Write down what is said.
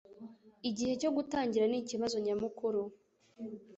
Igihe cyo gutangira nikibazo nyamukuru.